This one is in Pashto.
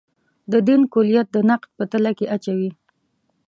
د دین کُلیت د نقد په تله کې اچوي.